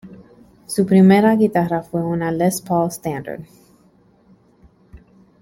Su primera guitarra fue una Les Paul Standard.